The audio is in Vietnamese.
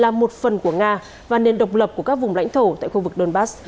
là một phần của nga và nền độc lập của các vùng lãnh thổ tại khu vực donbass